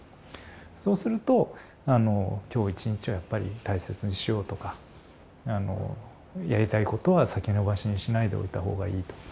そうすると今日一日をやっぱり大切にしようとかやりたいことは先延ばしにしないでおいた方がいいと。